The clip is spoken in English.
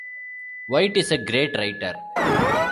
White is a great writer.